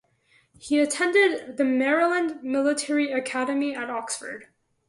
He attended the Maryland Military Academy at Oxford.